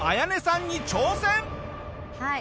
はい。